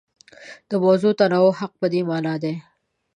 د موضوعي تنوع حق په دې مانا دی.